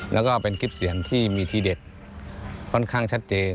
แล้วก็เป็นคลิปเสียงที่มีทีเด็ดค่อนข้างชัดเจน